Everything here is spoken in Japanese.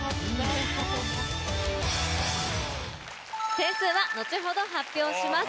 点数は後ほど発表します。